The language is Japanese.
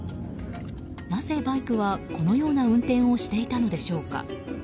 なぜバイクはこのような運転をしていたのでしょうか。